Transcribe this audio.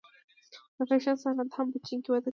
د فیشن صنعت هم په چین کې وده کوي.